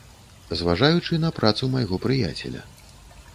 Зважаючы на працу майго прыяцеля.